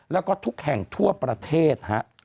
แล้วก็ทุกแห่งทั่วประเทศฮะ